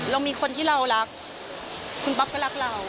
เรามีคนที่เรารักคุณป๊อปก็รักเรา